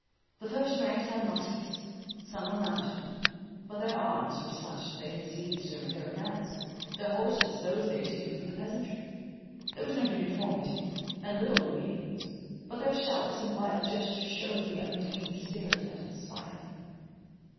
The first ranks had muskets; some were mounted, but their arms were such as they had seized during their advance, their horses those they had taken from the peasantry; there was no uniformity, and little obedience, but their shouts and wild gestures showed the untamed spirit that inspired them.